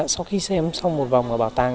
sau khi xem xong một vòng ở bảo tàng